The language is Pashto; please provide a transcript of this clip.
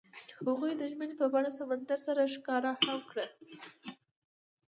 هغوی د ژمنې په بڼه سمندر سره ښکاره هم کړه.